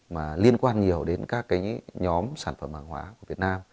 mà liên quan nhiều đến các cái nhóm sản phẩm hàng hóa của việt nam